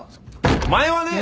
お前はね！